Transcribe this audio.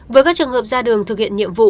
với các trường hợp ra đường thực hiện nhiệm vụ